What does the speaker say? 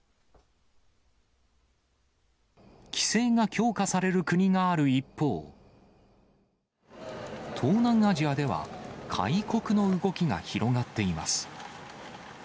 規制が強化される国がある一方、東南アジアでは、開国の動きが広がっています。